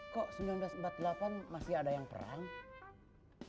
kok seribu sembilan ratus empat puluh delapan masih ada yang perang